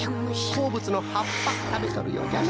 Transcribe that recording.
こうぶつのはっぱたべとるようじゃな。